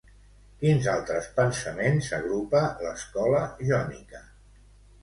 Quins altres pensaments agrupa l'Escola jònica?